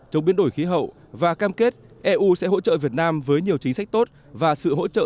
chống biến đổi khí hậu và cam kết eu sẽ hỗ trợ việt nam với nhiều chính sách tốt và sự hỗ trợ